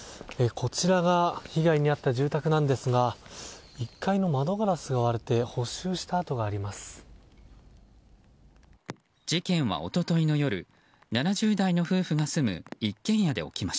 こちらが被害に遭った住宅ですが１階の窓ガラスが割れて補修した跡があります。